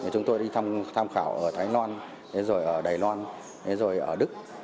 chúng tôi đi tham khảo ở thái loan rồi ở đài loan rồi ở đức